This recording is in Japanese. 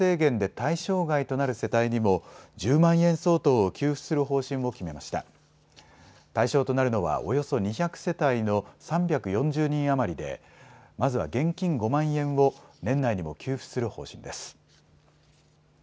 対象となるのはおよそ２００世帯の３４０人余りでまずは現金５万円を年内にも給付する方針です。